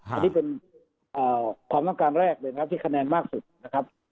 อันนี้เป็นความต้องการแรกเลยนะครับที่คะแนนมากสุดนะครับ